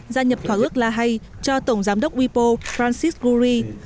gia nhập khóa ước la hay cho tổng giám đốc wipo francis goury